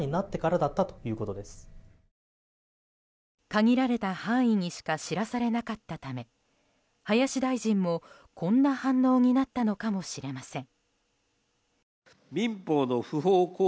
限られた範囲にしか知らされなかったため林大臣も、こんな反応になったのかもしれません。